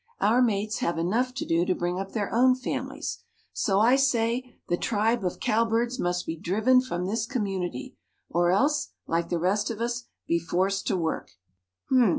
Our mates have enough to do to bring up their own families, so I say the tribe of cowbirds must be driven from this community, or else, like the rest of us, be forced to work."